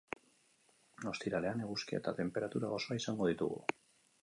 Ostiralean, eguzkia eta tenperatura goxoa izango ditugu.